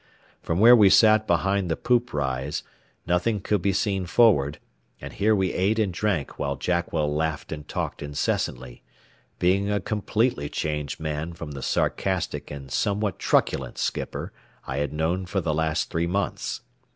From where we sat behind the poop rise, nothing could be seen forward, and here we ate and drank while Jackwell laughed and talked incessantly, being a completely changed man from the sarcastic and somewhat truculent skipper I had known for the last three months.